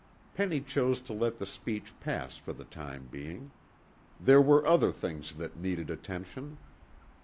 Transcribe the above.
Penny chose to let the speech pass for the time being. There were other things that needed attention.